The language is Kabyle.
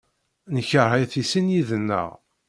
Nekṛeh-it i sin yid-nneɣ.